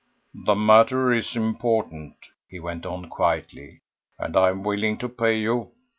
The matter is important," he went on quietly, "and I am willing to pay you.